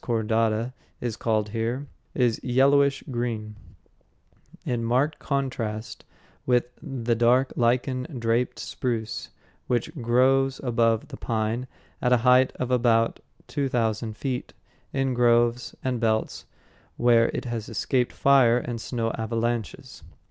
contorta_ is called here, is yellowish green, in marked contrast with the dark lichen draped spruce which grows above the pine at a height of about two thousand feet, in groves and belts where it has escaped fire and snow avalanches.